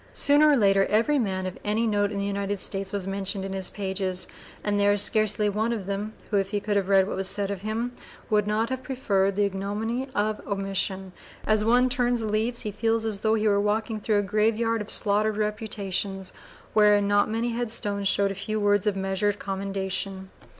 Sooner or later every man of any note in the United States was mentioned in his pages, and there is scarcely one of them, who, if he could have read what was said of him, would not have preferred the ignominy of omission. As one turns the leaves he feels as though he were walking through a graveyard of slaughtered reputations wherein not many headstones show a few words of measured commendation.